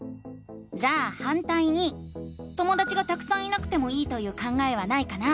じゃあ「反対に」ともだちがたくさんいなくてもいいという考えはないかな？